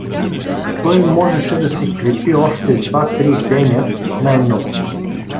Той можеше да се крепи още два-три деня най-много.